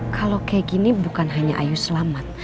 kalau kayak gini bukan hanya ayu selamat